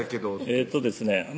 えっとですね